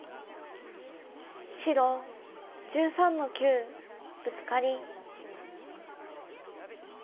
白１３の九ブツカリ。